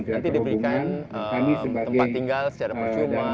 nanti diberikan tempat tinggal secara percuma